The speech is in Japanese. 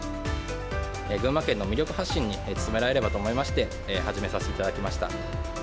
群馬県の魅力発信に努められればと思いまして、始めさせていただきました。